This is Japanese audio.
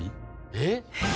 えっ？